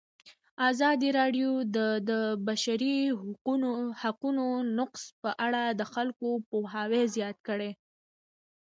ازادي راډیو د د بشري حقونو نقض په اړه د خلکو پوهاوی زیات کړی.